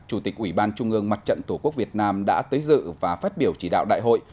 chủ tịch ủy ban trung ương mặt trận tổ quốc việt nam đã tới dự và phát biểu chỉ đạo đại hội